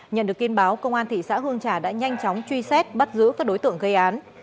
nhận được tin báo công an thị xã hương trà đã nhanh chóng truy xét bắt giữ các đối tượng gây án